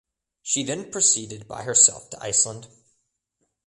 She then proceeded by herself to Iceland.